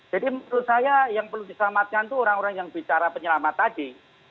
jadi menurut saya yang perlu diselamatkan itu orang orang yang bicara penyelamat tadi